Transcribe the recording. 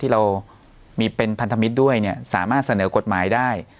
เรามีเป็นพันธมิตรด้วยเนี่ยสามารถเสนอกฎหมายได้